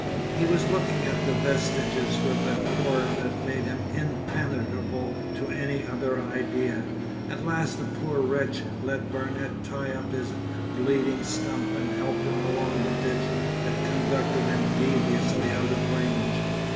He was looking at the vestiges with a horror that made him impenetrable to any other idea. At last the poor wretch let Barnet tie up his bleeding stump and help him along the ditch that conducted him deviously out of range....